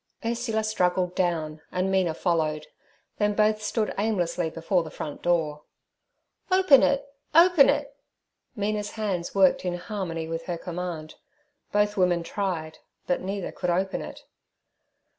Ursula struggled down, and Mina followed; then both stood aimlessly before the front door. 'Open it! Open it!' Mina's hands worked in harmony with her command. Both women tried, but neither could open it.